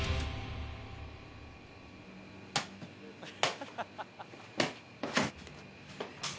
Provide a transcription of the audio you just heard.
ハハハハ！